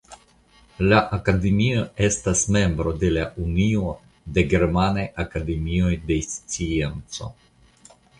La akademio estas membro de la Unio de Germanaj Akademioj de Scienco.